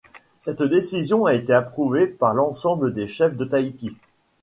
Cette décision a été approuvée par l'ensemble des chefs de Tahiti.